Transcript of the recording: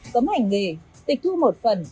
cấm hành nghề tịch thu một phần